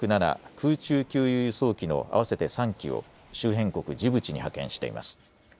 空中給油・輸送機の合わせて３機を周辺国ジブチに派遣しています。